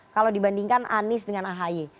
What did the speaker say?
kalau dibandingkan anies dengan ahy